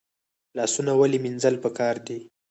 لاسونه ولې مینځل پکار دي؟